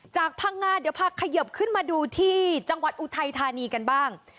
พังงาเดี๋ยวพาเขยิบขึ้นมาดูที่จังหวัดอุทัยธานีกันบ้าง